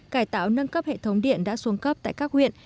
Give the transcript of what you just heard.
cải tạo nâng cấp hệ thống điện đã xuống cấp tại các huyện